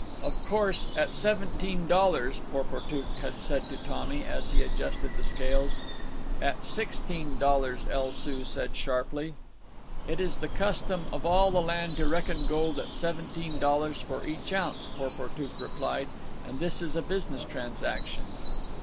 "Of course, at seventeen dollars," Porportuk had said to Tommy, as he adjusted the scales. "At sixteen dollars," El Soo said sharply. "It is the custom of all the land to reckon gold at seventeen dollars for each ounce," Porportuk replied. "And this is a business transaction."